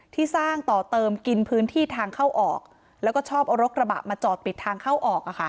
ที่สร้างต่อเติมกินพื้นที่ทางเข้าออกแล้วก็ชอบเอารถกระบะมาจอดปิดทางเข้าออก